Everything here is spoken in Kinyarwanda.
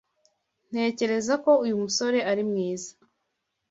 Ntekereza ko uyu musore ari mwiza.